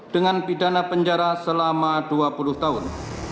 dengan pidana penjara selama dua puluh tahun